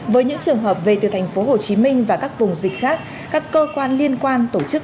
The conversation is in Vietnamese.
với những trường hợp về từ tp hcm và các vùng dịch khác các cơ quan liên quan tổ chức